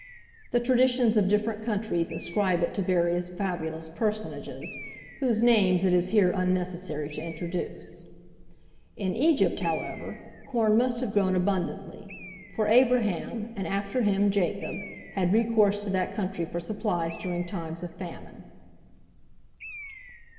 The traditions of different countries ascribe it to various fabulous personages, whose names it is here unnecessary to introduce. In Egypt, however, corn must have grown abundantly; for Abraham, and after him Jacob, had recourse to that country for supplies during times of famine.